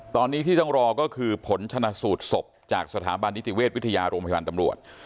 ตอนนี้ที่ต้องรอก็คือผลชนะสูตรศพจากสถาบันนิติเวชวิทยาโรงพยาบาลตำรวจ